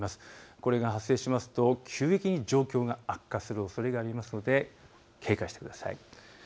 これが発生すると急激に状況が悪化するおそれがあるので警戒をしてください。